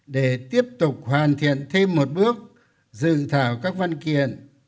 để tiếp tục hoàn thiện thêm một bước dự thảo các văn kiện